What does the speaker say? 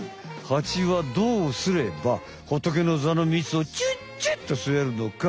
ハチはどうすればホトケノザのみつをチュッチュッとすえるのか？